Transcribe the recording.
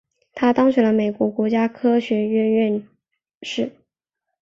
他当选了美国国家科学院院士。